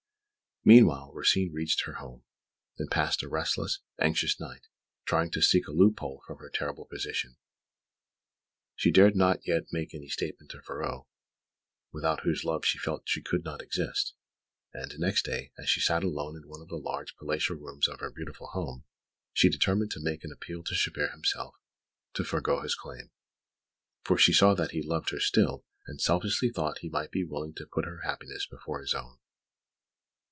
Meanwhile, Rosine reached her home, and passed a restless, anxious night, trying to seek a loophole from her terrible position. She dared not yet make any statement to Ferraud, without whose love she felt she could not exist; and next day, as she sat alone in one of the large palatial rooms of her beautiful home, she determined to make an appeal to Chabert himself to forego his claim, for she saw that he loved her still and selfishly thought that he might be willing to put her happiness before his own.